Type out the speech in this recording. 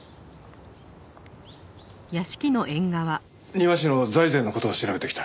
庭師の財前の事を調べてきた。